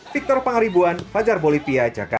victor pangaribuan fajar bolivia jakarta